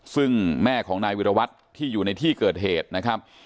ซึ่งแม่ของนายวิรวัตรที่อยู่ในที่เกิดเหตุนะครับ